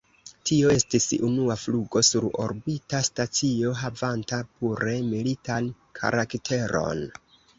Tio estis unua flugo sur orbita stacio, havanta pure militan karakteron.